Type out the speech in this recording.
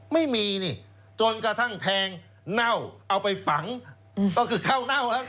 ไม่มีนี่จนกระทั่งแทงเน่าเอาไปฝังก็คือเข้าเน่าแล้ว